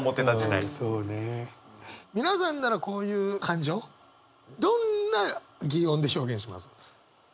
皆さんならこういう感情どんな擬音で表現します？